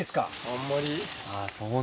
あんまり。